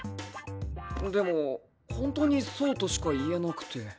でもホントにそうとしか言えなくて。